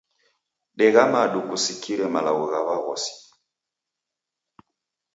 Degha madu kusikire malagho gha w'aghosi.